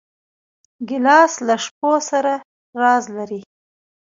ګیلاس له شپو سره راز لري.